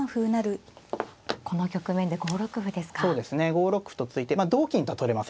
５六歩と突いて同金とは取れませんからね